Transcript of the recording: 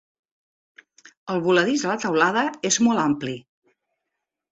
El voladís de la teulada és molt ampli.